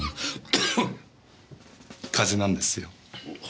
風邪なんですよ。